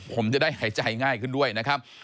ผมจะได้หายใจง่ายขึ้นด้วยนะครับ